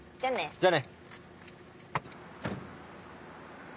じゃあね。